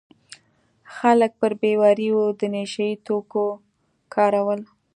خلک پرې بې باوره وي د نشه یي توکو کارول.